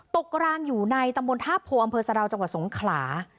กลางอยู่ในตำบลท่าโพอำเภอสะดาวจังหวัดสงขลา